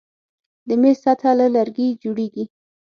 د میز سطحه له لرګي جوړیږي.